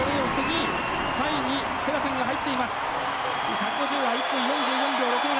１５０ｍは１分４４秒６７。